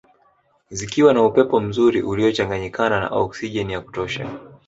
Zikiwa na upepo mzuri uliochanganyikana na okisijeni ya kutosha